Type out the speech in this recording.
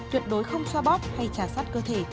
tuyệt đối không xoa bóp hay trà sát cơ thể